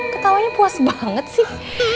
ketawanya puas banget sih